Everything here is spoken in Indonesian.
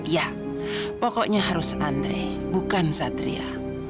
ya pokoknya harus andre bukan satria